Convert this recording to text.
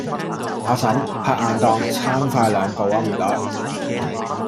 阿嬸，拍硬檔撐快兩步吖唔該